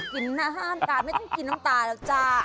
วันนี้ต้องกินน้ำตาไม่ต้องกินน้ำตาหรอกจ้า